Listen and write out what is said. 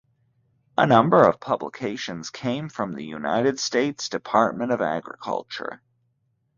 A number of publications came from the United States Department of Agriculture.